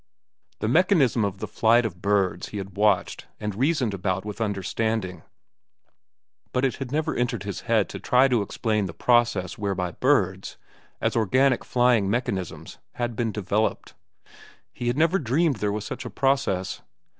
The mechanism of the flight of birds he had watched and reasoned about with understanding; but it had never entered his head to try to explain the process whereby birds, as organic flying mechanisms, had been developed. He had never dreamed there was such a process.